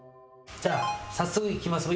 じゃあ早速いきます。